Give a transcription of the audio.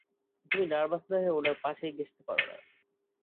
তুমি নার্ভাস না হয়ে উনার পাশেই ঘেঁষতে পারো না।